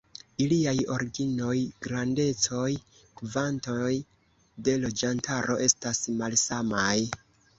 Iliaj originoj, grandecoj, kvantoj de loĝantaro estas malsamaj.